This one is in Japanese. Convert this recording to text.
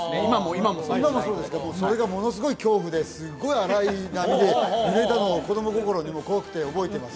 今もそうですかそれがものすごい恐怖ですごい荒い波で揺れたのを子供心にも怖くて覚えてます